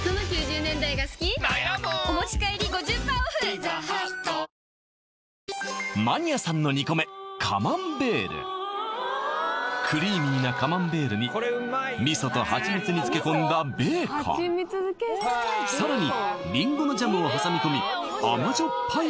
サントリーマニアさんの２個目クリーミーなカマンベールに味噌とはちみつに漬け込んだベーコンさらにリンゴのジャムを挟み込み甘じょっぱい